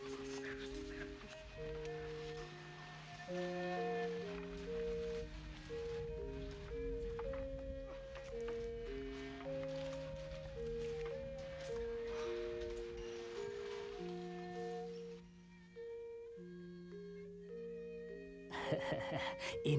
tuhan yang menjaga kita